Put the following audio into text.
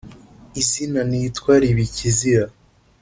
Izina nitwa riba ikizira